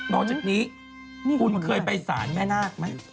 นอกจากนี้คุณเคยไปสารแม่นาคไหม